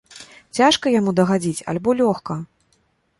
Цяжка яму дагадзіць альбо лёгка?